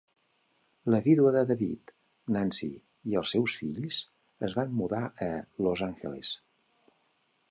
La vídua de David, Nancy, i els seus fills, es van mudar a Los Angeles.